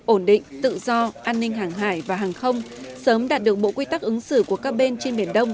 ổn định tự do an ninh hàng hải và hàng không sớm đạt được bộ quy tắc ứng xử của các bên trên biển đông